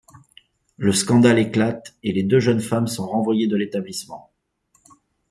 Le scandale éclate et les deux jeunes femmes sont renvoyées de l'établissement.